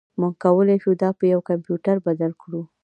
موږ کولی شو دا په یو کمپیوټر بدل کړو